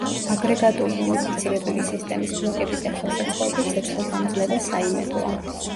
აგრეგატული უნიფიცირებული სისტემის ბლოკები და ხელსაწყოები ცეცხლგამძლე და საიმედოა.